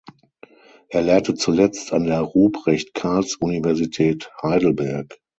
Er lehrte zuletzt an der Ruprecht-Karls-Universität Heidelberg.